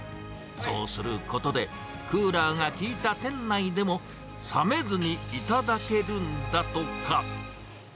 そうすることで、クーラーが効いた店内でも、さめずに頂けるんだとか。